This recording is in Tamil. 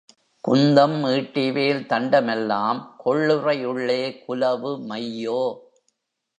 குந்தம் ஈட்டிவேல் தண்ட மெல்லாம் கொள்ளுறை உள்ளே குலவு மையோ!